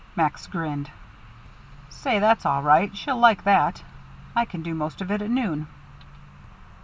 Max grinned. "Say, that's all right. She'll like that. I can do most of it at noon."